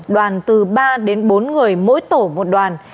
đoàn từ ba đến bốn người mỗi tổ một đoàn